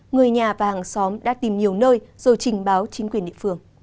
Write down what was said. người nhà và hàng xóm đã tìm nhiều nơi rồi trình báo chính quyền địa phương